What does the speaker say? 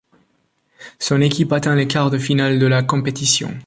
Son équipe atteint les quarts de finale de la compétition.